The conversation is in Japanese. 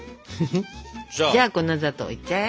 じゃあ粉砂糖いっちゃえ。